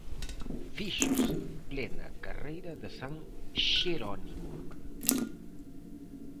Fíxose en plena carreira de San Jerónimo.